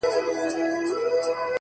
بېگا چي خوب باندې ليدلي گلابي لاسونه-